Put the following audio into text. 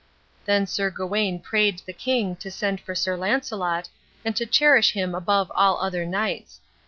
Then Sir Gawain prayed the king to send for Sir Launcelot, and to cherish him above all other knights.